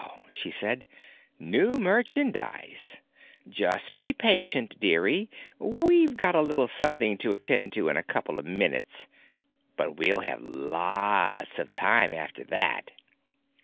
she said. "New merchandise. Just be patient, dearie. We've got a little something to attend to in a couple of minutes, but we'll have lots of time after that."